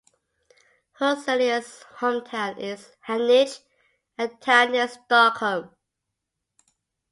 Huselius' hometown is Haninge, a town near Stockholm.